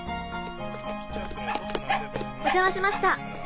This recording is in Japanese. お邪魔しました。